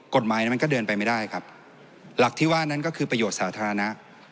กฎหมายนั้นมันก็เดินไปไม่ได้ครับหลักที่ว่านั้นก็คือประโยชน์สาธารณะ